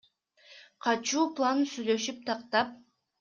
Качуу планын сүйлөшүп, тактап.